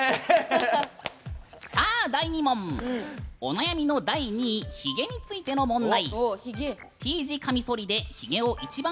第２問お悩みの第２位ひげについての問題。